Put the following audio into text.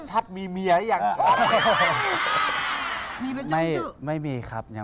ให้ชัดมีเมียงั้นน้า